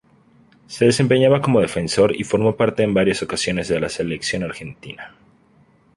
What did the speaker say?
Se desempeñaba como defensor y formó parte en varias ocasiones de la Selección Argentina.